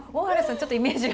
ちょっとイメージが。